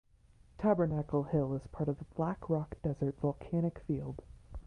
Tabernacle Hill is part of the Black Rock Desert volcanic field.